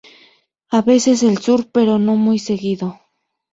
A veces el sur pero no muy seguido.